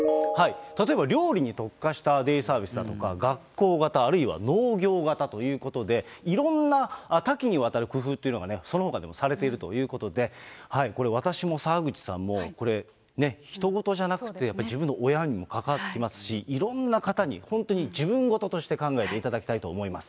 例えば料理に特化したデイサービスだとか、学校型、あるいは農業型ということで、いろんな多岐にわたる工夫というのがそのほかでもされているということで、これ、私も澤口さんも、これ、ね、ひと事じゃなくて、自分の親にも関わってきますし、いろんな方に、本当に自分事として考えていただきたいと思います。